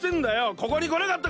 ここに来なかったか？